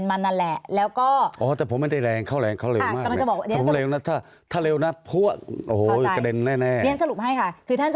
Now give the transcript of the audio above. คือท่านจะบอกว่าท่านก็มาตามเลนท่าน